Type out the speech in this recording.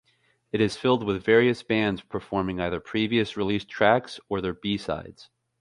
It is filled with various bands performing either previous released tracks or their b-sides.